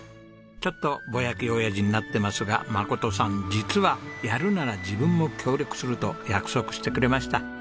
ちょっとボヤキ親父になってますが眞さん実は「やるなら自分も協力する」と約束してくれました。